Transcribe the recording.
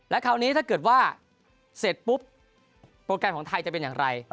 คราวนี้ถ้าเกิดว่าเสร็จปุ๊บโปรแกรมของไทยจะเป็นอย่างไร